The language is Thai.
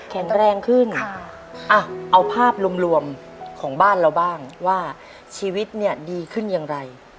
แข็งแรงขึ้นเอาภาพรวมของบ้านเราบ้างว่าชีวิตเนี่ยดีขึ้นอย่างไร